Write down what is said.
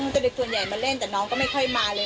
ก็เลยส่วนใหญ่มาเล่นแต่น้องก็ไม่ค่อยมาเลย